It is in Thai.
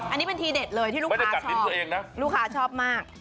อันนี้เป็นทีเด็ดเลยที่ลูกค้าชอบลูกค้าชอบมาก